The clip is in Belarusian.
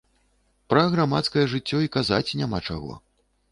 Пра грамадскае жыццё і казаць няма чаго.